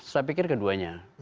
saya pikir keduanya